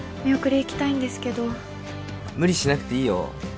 見送り行きたいんですけど無理しなくていいよ